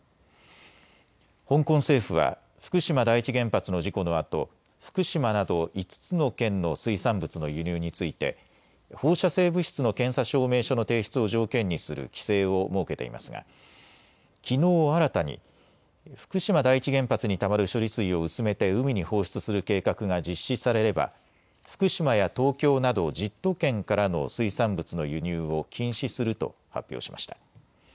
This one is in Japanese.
香港政府は福島第一原発の事故のあと、福島など５つの県の水産物の輸入について放射性物質の検査証明書の提出を条件にする規制を設けていますがきのう新たに福島第一原発にたまる処理水を薄めて海に放出する計画が実施されれば福島や東京など１０都県からの水産物の輸入を禁止すると発表しました。